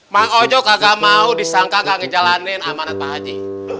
bang ojok agak mau disangka gak ngejalanin amanat pak haji